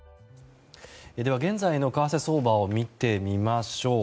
現在の為替相場を見てみましょう。